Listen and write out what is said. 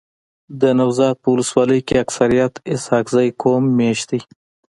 دنوزاد په ولسوالۍ کي اکثريت اسحق زی قوم میشت دی.